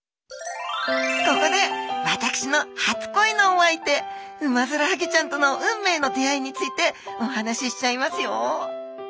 ここで私の初恋のお相手ウマヅラハギちゃんとの運命の出会いについてお話ししちゃいますよ！